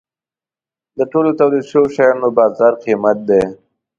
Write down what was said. د ټولو تولید شوو شیانو د بازار قیمت دی.